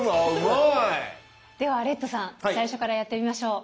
ではレッドさん最初からやってみましょう。